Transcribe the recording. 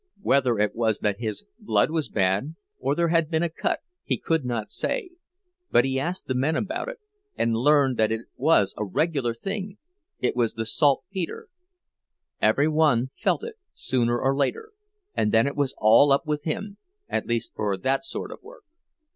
Whether it was that his blood was bad, or there had been a cut, he could not say; but he asked the men about it, and learned that it was a regular thing—it was the saltpeter. Every one felt it, sooner or later, and then it was all up with him, at least for that sort of work.